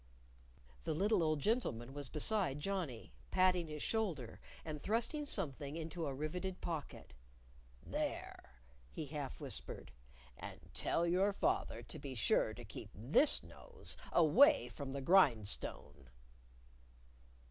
The little old gentleman was beside Johnnie, patting his shoulder and thrusting something into a riveted pocket. "There!" he half whispered. "And tell your father to be sure to keep this nose away from the grindstone."